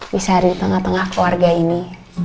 bisa hari ini tengah tengah keluarga ini